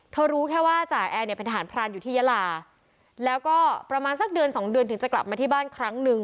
รู้แค่ว่าจ่าแอร์เนี่ยเป็นทหารพรานอยู่ที่ยาลาแล้วก็ประมาณสักเดือนสองเดือนถึงจะกลับมาที่บ้านครั้งนึง